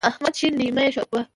احمد شين دی؛ مه يې ښوروه.